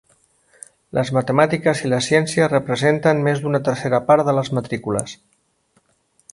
Les Matemàtiques i les Ciències representen més d'una tercera part de les matrícules.